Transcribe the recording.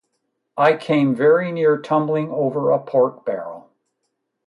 I came very near tumbling over a pork-barrel.